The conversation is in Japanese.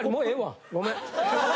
ごめん。